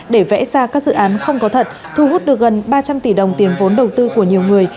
để vẽ ra các dự án không có thật thu hút được gần ba trăm linh tỷ đồng tiền vốn đầu tư của nhiều người